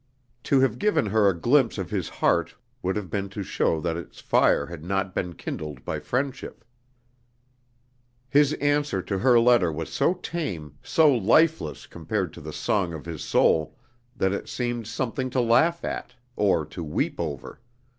To have given her a glimpse of his heart would have been to show that its fire had not been kindled by friendship. His answer to her letter was so tame, so lifeless compared to the song of his soul, that it seemed something to laugh at or to weep over.